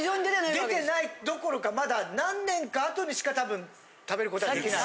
出てないどころかまだ何年か後にしか多分食べることはできない。